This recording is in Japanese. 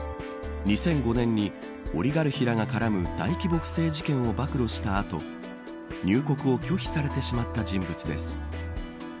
２００５年にオリガルヒらが絡む大規模不正事件を暴露した後入国を拒否されてしまった人物です。